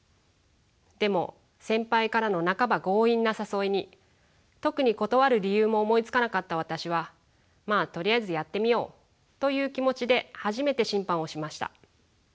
でも先輩からの半ば強引な誘いに特に断る理由も思いつかなかった私はまあとりあえずやってみようという気持ちで初めて審判をしました。